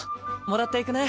もらっていくね。